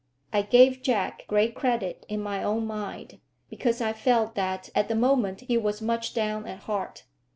I gave Jack great credit in my own mind, because I felt that at the moment he was much down at heart.